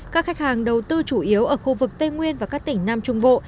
các khách hàng đầu tư chủ yếu ở khu vực tây nguyên và các tỉnh nam trung bộ